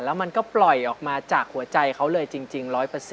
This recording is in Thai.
แล้วมันก็ปล่อยออกมาจากหัวใจเขาเลยจริง๑๐๐